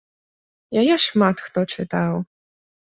Яе шмат хто чытаў.